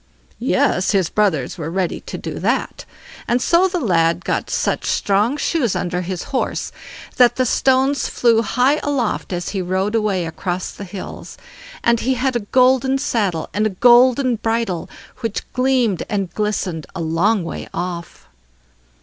Yes, his brothers were ready to do that, and so the lad got such strong shoes under his horse, that the stones flew high aloft as he rode away across the hills; and he had a golden saddle and a golden bridle, which gleamed and glistened a long way off.